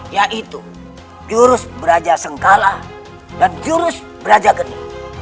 yaitu jurus belajar sengkala dan jurus belajar geni